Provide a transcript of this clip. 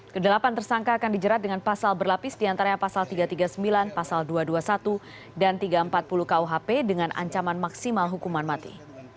kedelapan tersangka akan dijerat dengan pasal berlapis diantaranya pasal tiga ratus tiga puluh sembilan pasal dua ratus dua puluh satu dan tiga ratus empat puluh kuhp dengan ancaman maksimal hukuman mati